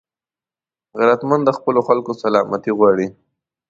غیرتمند د خپلو خلکو سلامتي غواړي